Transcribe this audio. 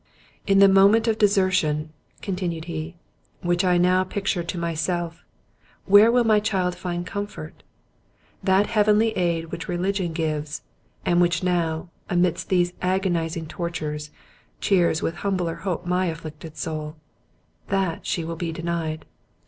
"In the moment of desertion," continued he, "which I now picture to myself, where will my child find comfort? That heavenly aid which religion gives, and which now, amidst these agonizing tortures, cheers with humbler hope my afflicted soul; that, she will be denied."